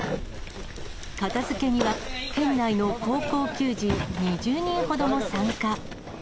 片づけには、県内の高校球児２０人ほども参加。